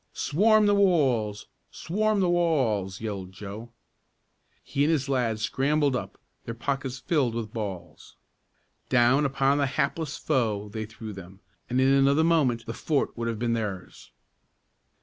"Swarm the walls! Swarm the walls!" yelled Joe. He and his lads scrambled up, their pockets filled with balls. Down upon the hapless foe they threw them, and in another moment the fort would have been theirs.